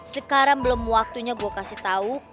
sekarang belum waktunya gue kasih tau